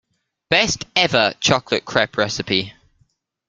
Best ever chocolate crepe recipe.